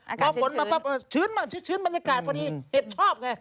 อากาศชื้นชื้นบ้างมันยากาศพอดีเห็ดชอบไง